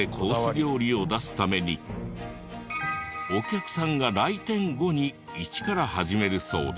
料理を出すためにお客さんが来店後に一から始めるそうで。